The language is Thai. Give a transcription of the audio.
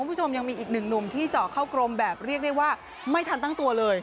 คุณผู้ชมยังมีอีกหนึ่งหนุ่มที่เจาะเข้ากรมแบบเรียกได้ว่าไม่ทันตั้งตัวเลย